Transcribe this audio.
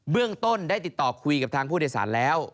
เรื่องต้นได้ติดต่อคุยกับทางผู้โดยสารแล้ว